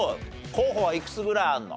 候補はいくつぐらいあるの？